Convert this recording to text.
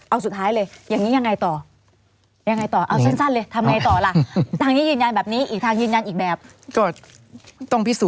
เอาสุดท้ายเลยอย่างนี้ยังไงต่อ